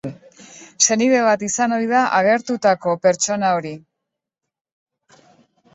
Senide bat izan ohi da agertutako pertsona hori.